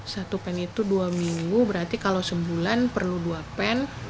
satu pen itu dua minggu berarti kalau sebulan perlu dua pen